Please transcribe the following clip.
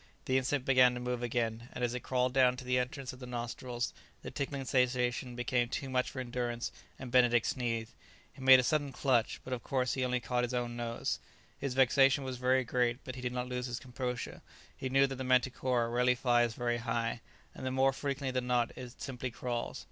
The insect began to move again, and as it crawled down to the entrance of the nostrils the tickling sensation became too much for endurance, and Benedict sneezed. He made a sudden clutch, but of course he only caught his own nose. His vexation was very great, but he did not lose his composure; he knew that the manticora rarely flies very high, and that more frequently than not it simply crawls.